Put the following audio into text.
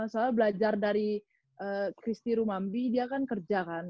soalnya belajar dari christie rumambi dia kan kerja kan